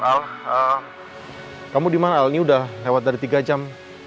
al kamu dimana al ini udah lewat dari tiga jam